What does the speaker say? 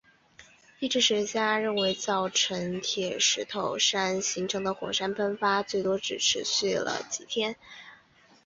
地质学家认为造成钻石头山形成的火山喷发最多只持续了几天。